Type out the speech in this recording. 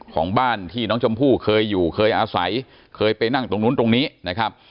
ของบ้านที่น้องชมพู่เคยอยู่เคยอาศัยเคยไปนั่งตรงนู้นตรงนี้นะครับ